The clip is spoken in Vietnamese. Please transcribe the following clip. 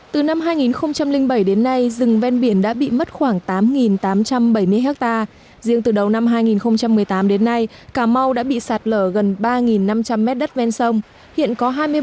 từ năm hai nghìn bảy đến nay rừng ven biển đã bị mất khoảng tám tám trăm linh tỷ đồng